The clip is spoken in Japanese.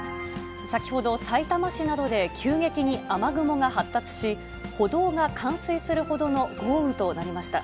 先ほど、さいたま市などで急激に雨雲が発達し、歩道が冠水するほどの豪雨となりました。